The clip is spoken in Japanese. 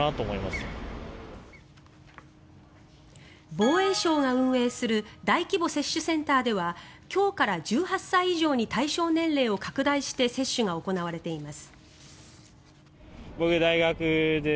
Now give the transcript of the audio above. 防衛省が運営する大規模接種センターでは今日から１８歳以上に対象年齢を拡大して接種が行われています。